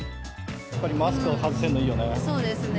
やっぱりマスクを外せるのいそうですね。